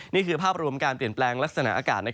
นี่คือภาพรวมการเปลี่ยนแปลงลักษณะอากาศ